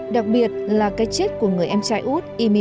đặc biệt là cái chết của người em trai út imin